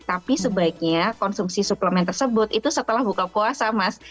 tapi sebaiknya konsumsi suplemen tersebut itu setelah buka puasa mas